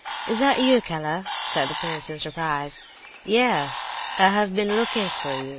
"Is that you, Keller?" said the prince, in surprise. "Yes, I've been looking for you.